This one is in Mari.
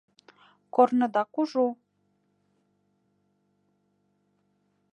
— Корныда кужу.